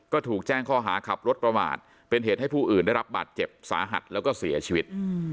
ก็ถูกแจ้งข้อหาขับรถประมาทเป็นเหตุให้ผู้อื่นได้รับบาดเจ็บสาหัสแล้วก็เสียชีวิต